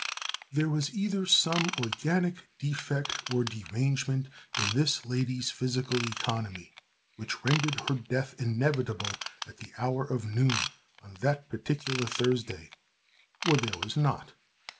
There was either some organic defect or derangement in this lady's physical economy, which rendered her death inevitable at the hour of noon, on that particular Thursday, or there was not.